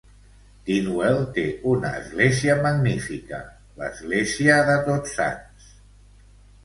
Tinwell té una església magnífica: l'Església de Tots Sants.